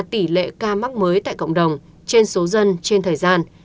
tỷ lệ ca mắc mới tại cộng đồng trên số dân trên thời gian